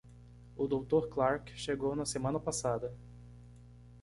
O doutor Clark chegou na semana passada.